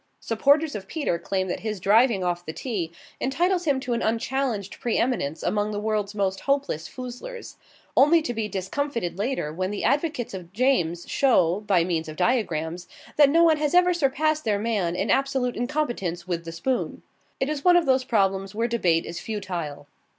Supporters of Peter claim that his driving off the tee entitles him to an unchallenged pre eminence among the world's most hopeless foozlers only to be discomfited later when the advocates of James show, by means of diagrams, that no one has ever surpassed their man in absolute incompetence with the spoon. It is one of those problems where debate is futile.